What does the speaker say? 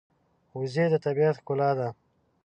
وزې د طبیعت ښکلا ده